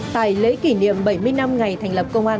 tại lễ kỷ niệm bảy mươi năm ngày thành lập công an